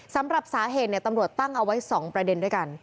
สำหรับสาเหตุตำรวจตั้งเอาไว้๒ประเด็นด้วยกัน